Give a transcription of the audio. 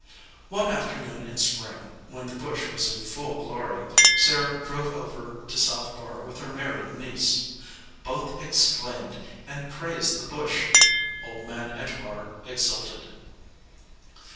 One afternoon in spring, when the bush was in full glory, Sarah drove over to South Barr with her married niece. Both exclaimed, and praised the bush. Old Man Edgewater exulted.